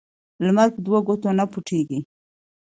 لمر په دوو ګوتو نه پوټیږی.